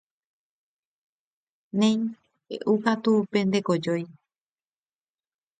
Néi peʼúkatu pende kojói.